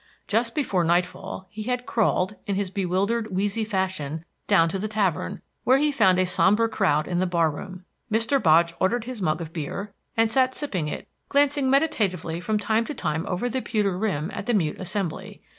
Just before night fall he had crawled, in his bewildered, wheezy fashion, down to the tavern, where he found a somber crowd in the bar room. Mr. Bodge ordered his mug of beer, and sat sipping it, glancing meditatively from time to time over the pewter rim at the mute assembly.